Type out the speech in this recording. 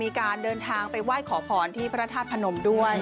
มีการเดินทางไปไหว้ขอพรที่พระธาตุพนมด้วย